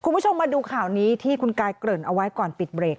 คุณผู้ชมมาดูข่าวนี้ที่คุณกายเกริ่นเอาไว้ก่อนปิดเบรก